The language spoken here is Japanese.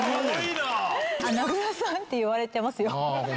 「なぐらさんんん！」って言われてますよ。